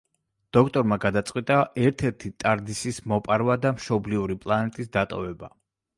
დოქტორმა გადაწყვიტა ერთ-ერთი ტარდისის მოპარვა და მშობლიური პლანეტის დატოვება.